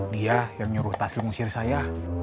dia yang nyuruh taslim usir saya